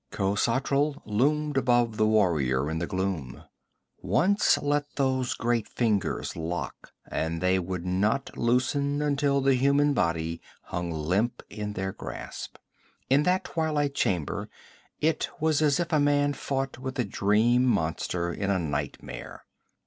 Khosatral loomed above the warrior in the gloom. Once let those great fingers lock and they would not loosen until the human body hung limp in their grasp. In that twilit chamber it was as if a man fought with a dream monster in a nightmare.